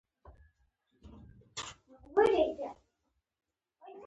ښوونځی د زده کوونکو لپاره دویم کور دی.